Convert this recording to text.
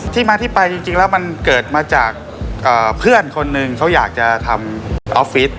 ที่มาที่ไปจริงแล้วมันเกิดมาจากเพื่อนคนหนึ่งเขาอยากจะทำออฟฟิศ